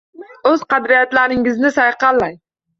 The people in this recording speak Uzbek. O’z qadriyatlaringizni sayqallang